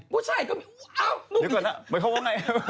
ผู้ชายก็อ้าวนุ่มเดี๋ยวก่อนนะไม่เข้าวันนั้น